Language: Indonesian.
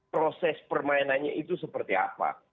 proses permainannya itu seperti apa